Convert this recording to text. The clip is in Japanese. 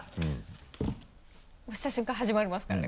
押した瞬間始まりますからね